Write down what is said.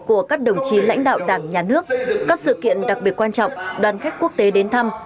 của các đồng chí lãnh đạo đảng nhà nước các sự kiện đặc biệt quan trọng đoàn khách quốc tế đến thăm